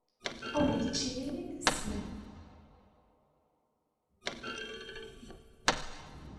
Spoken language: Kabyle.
Ur yečči ara imensi?